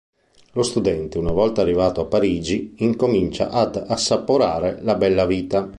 Lo studente una volta arrivato a Parigi incomincia ad assaporare la bella vita.